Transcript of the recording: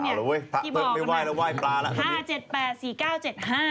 เอ้าแล้วเว้ยไม่ไหว่แล้วไหว่ปลายละ